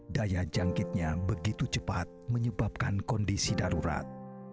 daya jangkitnya begitu cepat menyebabkan kondisi darurat